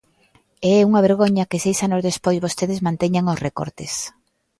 E é unha vergoña que seis anos despois vostedes manteñan os recortes.